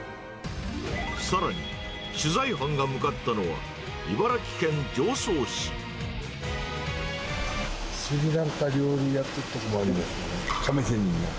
さらに、取材班が向かったのは、スリランカ料理やっているところもありますね。